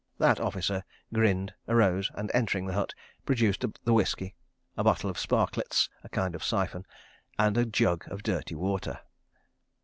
That officer grinned, arose, and entering the hut, produced the whisky, a box of "sparklets," a kind of siphon, and a jug of dirty water.